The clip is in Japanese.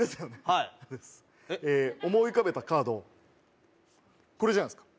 はい思い浮かべたカードこれじゃないですか？